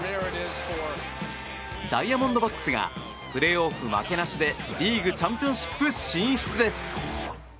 ダイヤモンドバックスがプレーオフ負けなしでリーグチャンピオンシップ進出です。